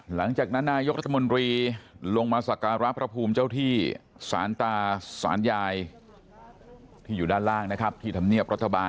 หลังจากนั้นนายกรัฐมนตรีลงมาสักการะพระภูมิเจ้าที่สารตาสารยายที่อยู่ด้านล่างนะครับที่ธรรมเนียบรัฐบาล